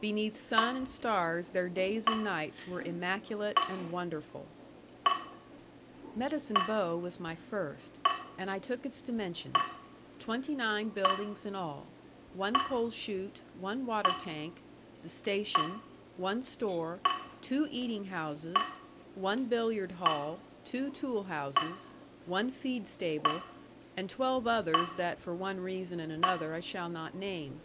Beneath sun and stars their days and nights were immaculate and wonderful. Medicine Bow was my first, and I took its dimensions, twenty nine buildings in all, one coal shute, one water tank, the station, one store, two eating houses, one billiard hall, two tool houses, one feed stable, and twelve others that for one reason and another I shall not name.